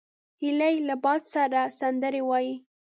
هیلۍ له باد سره سندرې وايي